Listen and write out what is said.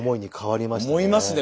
思いますね